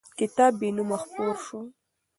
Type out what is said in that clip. کتاب بېنومه خپور شو.